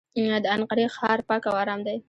د انقرې ښار پاک او ارام دی.